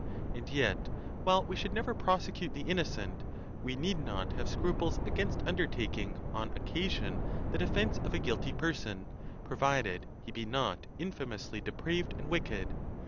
And yet, while we should never prosecute the innocent, we need not have scruples against undertaking on occasion the defence of a guilty person, provided he be not infamously depraved and wicked.